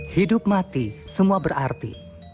hidup mati semua berarti